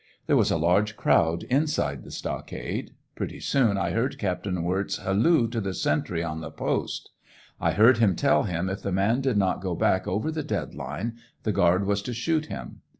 There was a large crowd inside the stockade. Pretty soon I heard Captain Wirz halloo to the sentry on the post. I heard him tell him if the mau did not go back over the dead line the guard was to shoot him.